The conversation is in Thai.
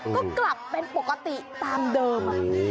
ก็กลับเป็นปกติตามเดิม